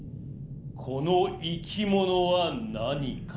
この生き物は何か？」。